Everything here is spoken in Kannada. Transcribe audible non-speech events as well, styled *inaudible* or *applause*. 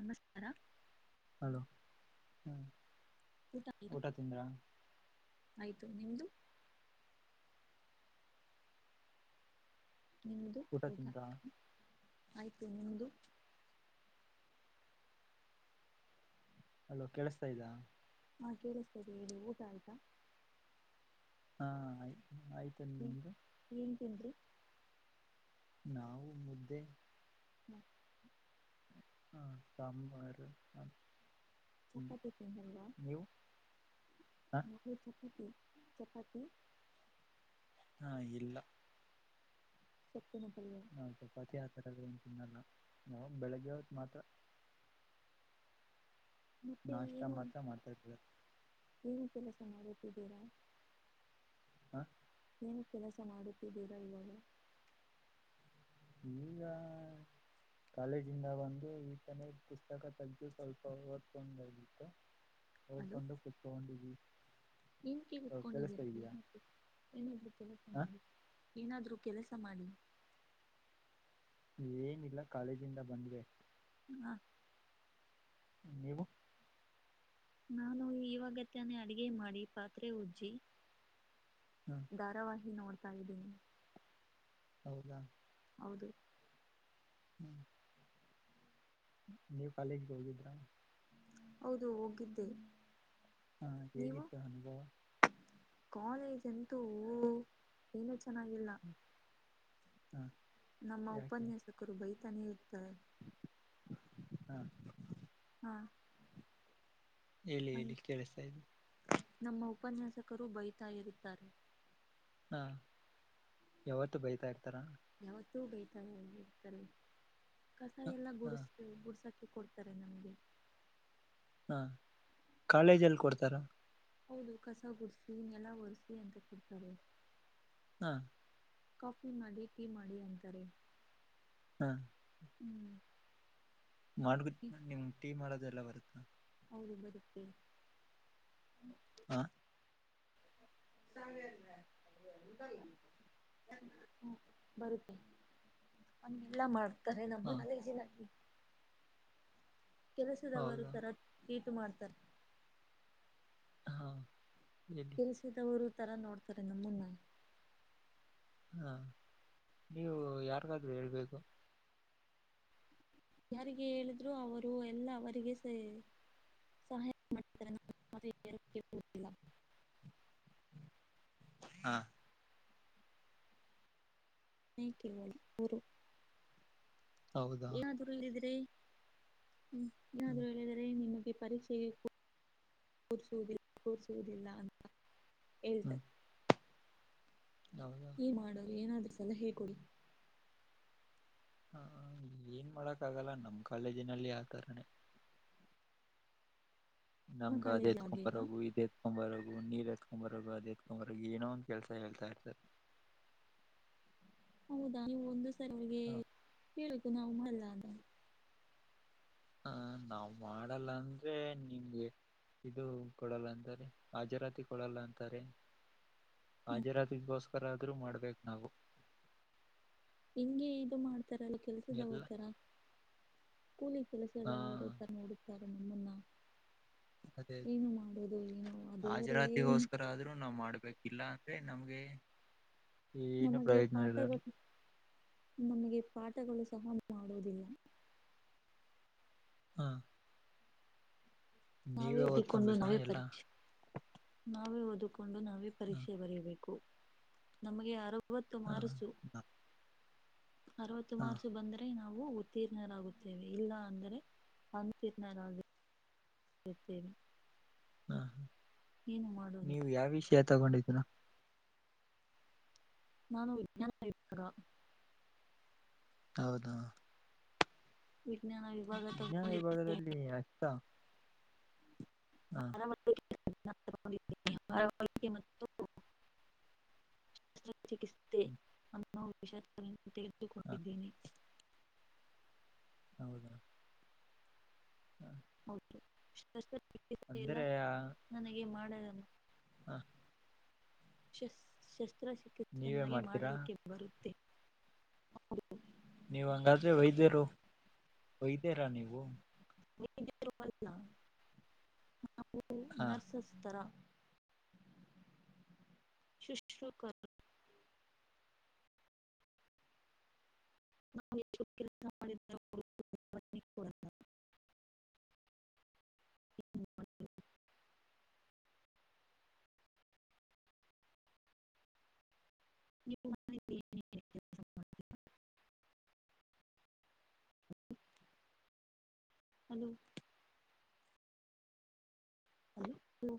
ನಮಸ್ಕಾರ ಹಲೋ ಹ್ಮ್ ಊಟ ತಿಂದ್ರಾ ಆಯ್ತು ನಿಮ್ದು ನಿಮ್ದ ಊಟ ಆಯ್ತು ನಿಮ್ದು ಹಲೋ ಕೇಳಸ್ತಾಯಿದ್ದಾ ಹಾ ಕೇಳಿಸ್ತಯಿದೆ ಹೇಳಿ ಊಟ ಆಯ್ತಾ ಹಾ ಆಯ್ತು ಹ್ಮ್ ಏನ್ ತಿಂದ್ರಿ ನಾವು ಮುದ್ದೆ ಹ್ಮ್ ಅನ್ನಸಾಂಬಾರ್ ಅಪ್ಲ ಮುದ್ದೆ ಚಪಾತಿ ಹ ಮುದ್ದೆ ಚಪಾತಿ ಚಪಾತಿ ಹಾ ಇಲ್ಲ ಸೊಪ್ಪಿನ ಪಲ್ಯ ಚಪಾತಿ ಆತರ ಏನು ತಿನಲ್ಲ ನಾವು ಬೆಳಗ್ಗೆ ಒತ್ತು ಮಾತ್ರ ಮತ್ತೆ ನಾಷ್ಟ ಏನು ಮಾತ್ರ ಮಾಡ್ತಾ ಇರ್ತೀವಿ ಏನು ಕೆಲಸ ಮಾಡುತ್ತಿದ್ದೀರಾ ಹಾ ಏನು ಕೆಲಸ ಮಾಡುತ್ತಿದ್ದೀರಾ ಇವಾಗ ಈಗ ಕಾಲೇಜಿಂದ ಬಂದು ಈಗ ತಾನೇ ಪುಸ್ತಕ ತೆಗೆದು ಸ್ವಲ್ಪ ಓದ್ಕೊಂಡು ಅನ್ಕೊಂಡು ಕುತ್ಕೊಂಡೀನಿ ಎನ್ ಕುತ್ಕೊಂಡಿದ್ದೀರ ಇದೀಯಾ ಏನಾದ್ರೂ ಕೆಲಸ ಹ ಮಾಡಿ ಏನಾದ್ರು ಕೆಲಸ ಮಾಡಿ ಏನಿಲ್ಲ ಕಾಲೇಜಿಂದ ಬಂದೆ ಹ್ಮ ನೀವು ನಾನು ಇವಾಗತ್ತಾನೇ ಅಡಗೆ ಮಾಡಿ ಪಾತ್ರೆ ಉಜ್ಜಿ ಹ ಧಾರಾವಾಹಿ ನೋಡ್ತಾ ಇದ್ದೀನಿ ಹೌದಾ ಹೌದು ಹ್ಮ್ ನೀವು ಕಾಲೇಜ್ಗೆ ಹೋಗಿದ್ರಾ ಹೌದು ಹೋಗಿದ್ದೆ ನೀವು ಹೇಗಿತು ಅನುಭವ ಕಾಲೇಜ್ ಅಂತೂ ಏನೂ ಚೆನ್ನಾಗಿಲ್ಲ ಹಾ ನಮ್ಮ ಯಾಕೆ ಉಪನ್ಯಾಸಕರು ಬೈತಾನೆ ಇರ್ತಾರೆ ಹಾ ಹಾ ಹೇಳಿ ಹೇಳಿ ನಂ- ಕೇಳಸ್ತಯಿದೆ ನಮ್ಮ ಉಪನ್ಯಾಸಕರು ಬೈತಾ ಇರುತ್ತಾರೆ ಹಾ ಯಾವತ್ತು ಬೈತಾ ಇರ್ತಾರ ಯಾವತ್ತೂ ಬೈತಾನೆ ಇರ್ತಾರೆ ಕಸ ಹ ಎಲ್ಲಾ ಹಾ ಗುಸಿಡ್ತೀವಿ ಗುಡಸಕ ಕೊಡ್ತಾರೆ ನಮಗೆ ಹಾ ಕಾಲೇಜಲ್ಲಿ ಕೊಡ್ತಾರ ಹೌದು ಕಸ ಗುಡ್ಸಿ ನೆಲ ಒರೆಸಿ ಅಂತ ಕಡ್ತಾರೆ ಹಾ ಕಾಫಿ ಮಾಡಿ ಟೀ ಮಾಡಿ ಅಂತಾರೆ ಹ್ಮ ಹ್ಮ್ ಮಾಡ್ಬಿ ಹ್ಮ್, ನಿಮ್ ಟೀ ಮಾಡೋದೆ ಎಲ್ಲ ಬರುತ್ತಾ ಹಬತ್ತ ಹಾ ಸೇಲ್ಲ ಹ ಬರುತ್ತೆಗೆಲ್ಲ ಮಾಡ ಕರೆ ಹಾ ನಮ್ಮನದ ಜ ನಗೆ ಕೆಲಸದವರು ಹೌದಾ ತರ ಕೇಟು ಮಾಡ್ತಾರೆ ಹಾ ಹೇಳಿ ಕೆಲ್ಸಿದವರು ತರ ನೋಡ್ತಾರೆ ನಮ್ಮನ್ನ ಹಾ ನೀವು ಯಾರಿಗಾದ್ರೂ ಹೇಳ್ಬೇಕು ಯಾರಿಗೆ ಹೇಳಿದ್ರೂ ಅವರು ಎಲ್ಲ ಅವರಿಗೆ ಸರಿ ಸಹಾಯ ಮಾಡಿದ್ದರೆ ನ ಏೆ ಕೊಡುತ್ತಿಲ್ಲ ಹಾ ನೇ ಕೇವಲ ಗರು ಹೌದಾ ಏನಾದ್ರುೂ ಇಲ್ಲಿದ್ರಿ ಹ್ಮ್ ನಾಾದ್ರು ಹ್ಮ್ ಹೇಳಿದಿದ್ದಾರೆ ನಿಮ್ಮತ್ತ ಈ ಪರೀಕ್ಷೆಗೆ ಕರಿಸುದ ಕೂರಿಸುವುದಿಲ್ಲ ಅಂತ ಇಲ್ದ ಹ್ಮ್ ಹೌದಾ ಏ ಮಾಡೋದು ಏನಾದ್ರುೂ ಸಲ ಹೇಳ್ಕೊಡಿ ಹ ಏನ್ ಮಾಡಕ್ಕ ಆಗಲ್ಲ ನಮ್ ಕಾಲೇಜಿನಲ್ಲಿ ಆತರನೇ ನಿಮ್ಮ ಕಾಲೇಜ್ ನಮ್ಗದೇತ್ ಆಗ್ಲಿಲ್ಲ ಕುಂಬಾರಗುದೆ ಕತ್ಕೊಂಬರು ನೀರ್ ಎತ್ಕೊಂಬರದುು ಅದು ಎತ್ಕೊಂಬರ ಏನೋ ಒಂದ ಕೆಲಸ ಹೇಳ್ತಾ ಇರ್ತಾರೆ ಹ ಹೌದಾ ನೀವು ಒಂದು ಸಲ ಅವಿಗೆ ಕು ನಾವು ಮಲ್ಲ ಅಂತ ಹ ನಾವ್ ಮಾಡಲ್ಲ ಅಂದ್ರೆ ನಿಮ್ಗೆ ಇದು ಕೊಡಲ್ಲ ಅಂತಾರೆ ಹಾಜರಾತಿ ಕೊಡಲ್ಲ ಅಂತಾರೆ ಹ್ಮ ಹಾಜರಾತಿಗೋಸ್ಕರ ಆದ್ರೂ ಮಾಡ್ಬೇಕು ನಾವು ಹಂಗೆ ಇದು ಮಾಡ ತರ ಎಲ್ಲ ಕೆಲಸದವ ಎಲ್ಲ ತರ ಕೂಲಿ ಹಾ ಕೆಲಸದವರು ತರ ನೋಡುತ್ತಾರೆ ಮುಲ್ಲಾ ಅದೇ ಏನು ಮಾಡೋುದು ಏನು ಆ ದೇವರೇ ಏನ್ ಇಲ್ಲ ಅಂದ್ರೆ ನಮ್ಗೆ ಏನು ನಮಗೆ ಪ್ರಯೋಜನ ಇಲ್ಲ ಪಾಠಗಳು ನಮಗೆ ಪಾಠಗಳು ಸಹ ಮಾಡುವುದಿಲ್ಲ ಹಾ ನಾವೇ ಹುಟ್ಟಿಕೊಂಡು ಓದ್ಕೊಬೇಕಾ ನಾವೇ ಎಲ್ಲ ಪರೀಕ್ಷೆ ನಾವೇ ಓದುಕೊಂಡು ನಾವೇ ಹ ಪರೀಕ್ಷೆ ಬರೆಯಬೇಕು ನಮಗೆ ಯಾರೋ ಮ ಅತ್ತು ಹ ಹ ಮಾರಸು ಬಂದರೆೆ ನಾವು ಉತ್ತೀರ್ಣರಾಗುತ್ತೇವೆ ಇಲ್ಲ ಅಂದರೆ ಅಂತೀರ್ಣರಾಗಿ ಸ ಸೇರಿ ಹಾ ಹಾ ಏನು ಮಾಡದು ತಗೊಂಡಿದ್ನ ನಾನು ವಿಜ್ಞಾನರ ಹೌದಾ ವಿಜ್ಞಾನ ವಿಭಾಗ ವಿಜ್ಞಾನ ತಗೊಂಡಿದ್ದೇನೆ ವಿಭಾಗದಲ್ಲಿ ಅಷ್ಟ ಹಾ ಮತ್ತು ಚಿಕಿತ್ಸೆ ಅನ್ನೋ ವಿಷಥಗಳನ್ನು ಹ ತಿಳಿದುಕೊೊಂಡಿದ್ದೇನೆ ಹೌದಾ ಹೌದು ಚ ಇಲ್ಲ ಅಂದ್ರೆ ನನಗೆ ಮಾಡಲ್ಲ *unintelligible* ಹಾ ಶಸ್ ಶಸ್ತ್ರಚಿಕಿತ್ಸೆ ನೀವೇ ನನಗೆ ಮಾಡ್ತೀರಾ ಮಾಡಲಿಕ್ಕೆ ಬರುತ್ತೆ ಹೌದು ನೀವ ಹಂಗಾದ್ರೆ ವೈದ್ಯರು ವೈದ್ಯರ ನೀವು ವೈದ್ಯರು ನಾವು ಹಾ ನರ್ಸಸ್ ತರ *unintelligible* ನಾವು ಎಷ್ಟು ಕೆಲಸ ಮಾಡಿರ್ತಿವ ಅಷ್ಟು ರೊಕ್ಕ ಕೊಡತಾರ ಹ *unintelligible* ಇ *unintelligible* ಹಲೋ ಹಲೋ